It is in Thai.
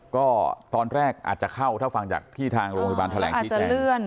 ก็ตอนแรกอาจจะเข้าถ้าฟังจากที่ทางโรงพยาบาลแถลงชี้แจง